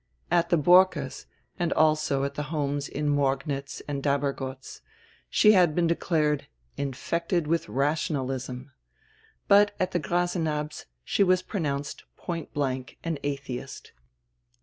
At the Borckes', and also at tire homes in Morgnitz and Dabergotz, she had been declared "infected with rationalism," but at tire Grasenabbs' she was pro nounced point blank an "atheist."